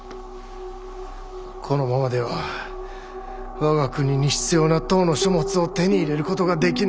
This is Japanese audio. このままでは我が国に必要な唐の書物を手に入れることができぬ。